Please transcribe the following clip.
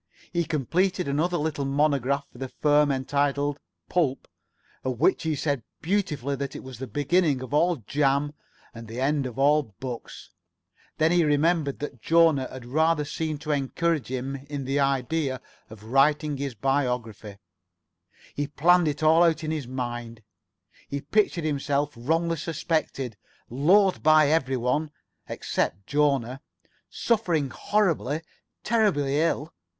He completed another little monograph for the firm entitled "Pulp," of which he said beautifully that it was the beginning of all jam and the end of all books. Then he remembered [Pg 56]that Jona had rather seemed to encourage him in his idea of writing his biography. He planned it all out in his mind. He pictured himself wrongly suspected, loathed by everybody (except Jona), suffering horribly, terribly ill.